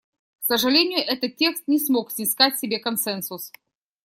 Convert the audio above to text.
К сожалению, этот текст не смог снискать себе консенсус.